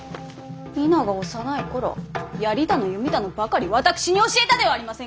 稲が幼い頃槍だの弓だのばかり私に教えたではありませんか。